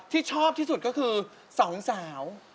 ชอบที่สุดก็คือสองสาว